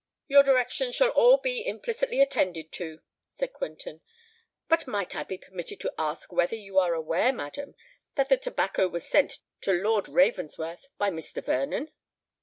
"Your directions shall all be implicitly attended to," said Quentin. "But might I be permitted to ask whether you are aware, madam, that the tobacco was sent to Lord Ravensworth by Mr. Vernon?"